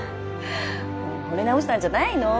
もうほれ直したんじゃないの？